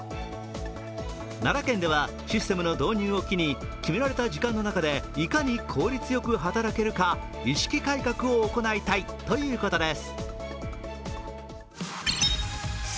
奈良県ではシステムの導入を機に決められた時間の中でいかに効率よく働けるか意識改革を行いたいということです。